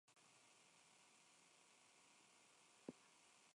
La causa de la muerte fue edema en los pulmones y bronquitis aguda.